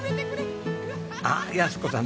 あっ安子さん